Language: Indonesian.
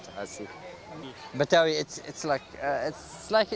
betawi itu sangat baik